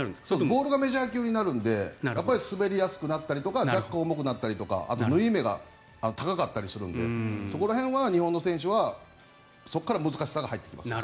ボールがメジャー級になるので滑りやすくなったりとか若干重くなったりとか縫い目が高かったりするのでそこら辺は日本の選手はそこから難しさが入ってきます。